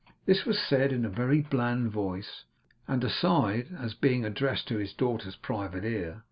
This was said in a very bland voice, and aside, as being addressed to his daughter's private ear.